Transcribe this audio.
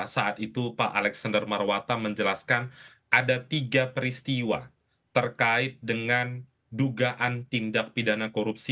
saat itu pak alexander marwata menjelaskan ada tiga peristiwa terkait dengan dugaan tindak pidana korupsi